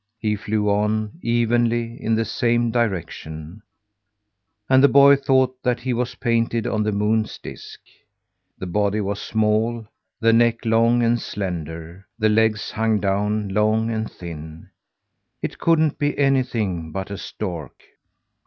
He flew on, evenly, in the same direction, and the boy thought that he was painted on the moon's disc. The body was small, the neck long and slender, the legs hung down, long and thin. It couldn't be anything but a stork.